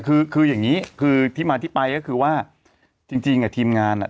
คือคืออย่างงี้คือที่มาที่ไปก็คือว่าจริงจริงอ่ะทีมงานอ่ะ